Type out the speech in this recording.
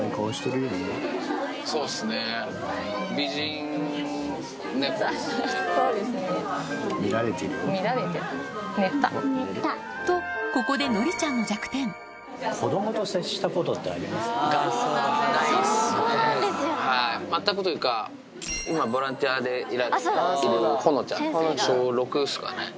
そうっすね。とここでのりちゃんの弱点全くというか今ボランティアでほのちゃんっていう小６っすかね。